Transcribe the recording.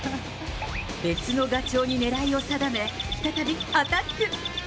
別のガチョウに狙いを定め、再びアタック。